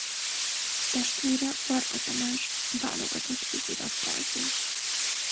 Testvére Varga Tamás válogatott vízilabdázó.